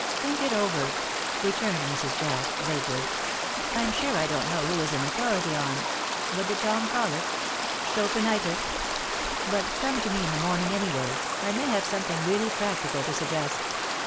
"Think it over," returned Mrs. Jack, vaguely. "I'm sure I don't know who is an authority on what did Tom call it Chopinitis. But come to me in the morning, anyway; I may have something really practical to suggest.